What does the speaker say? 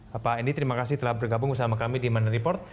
bapak edi terima kasih telah bergabung bersama kami di mana report